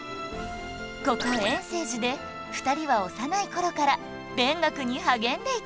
ここ円政寺で２人は幼い頃から勉学に励んでいたんだそう